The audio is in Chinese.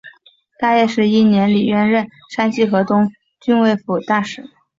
大业十一年李渊任山西河东郡慰抚大使。